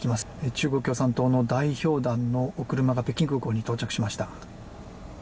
中国共産党の代表団の車が北京空港に到着しました。